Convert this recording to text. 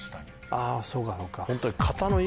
あそうかそうか。